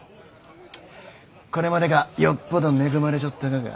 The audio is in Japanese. これまでがよっぽど恵まれちょったがか？